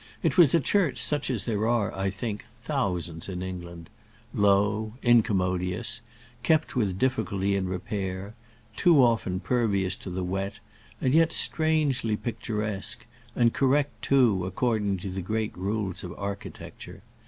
It was a church such as there are, I think, thousands in England low, incommodious, kept with difficulty in repair, too often pervious to the wet, and yet strangely picturesque, and correct too, according to great rules of architecture.